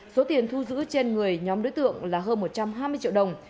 số tiền thu giữ trên người nhóm đối tượng là hơn một trăm hai mươi triệu đồng